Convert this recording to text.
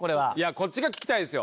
こっちが聞きたいですよ。